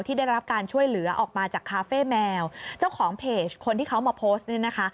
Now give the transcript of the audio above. ได้รับการช่วยเหลือออกมาจากคาเฟ่แมวเจ้าของเพจคนที่เขามาโพสต์นี่นะคะ